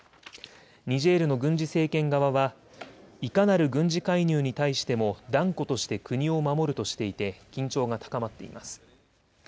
ニジェールの軍事政権側はいかなる軍事介入に対しても断固として国を守るとしていて緊張が高まっています。